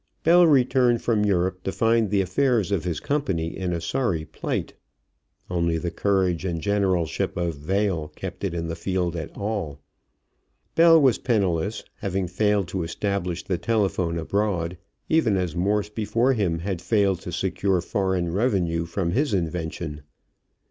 Bell returned from Europe to find the affairs of his company in a sorry plight. Only the courage and generalship of Vail kept it in the field at all. Bell was penniless, having failed to establish the telephone abroad, even as Morse before him had failed to secure foreign revenue from his invention.